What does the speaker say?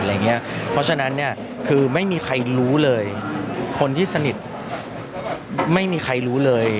เพราะฉะนั้นคือไม่มีใครรู้เลยคนที่สนิทไม่มีใครรู้เลย